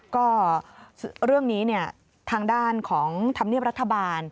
ก็เรื่องนี้เนี่ยทางด้านของธรรมเนียบรัฐบาล